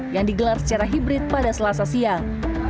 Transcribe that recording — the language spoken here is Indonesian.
yang digelar secara hibrid pada selasa siang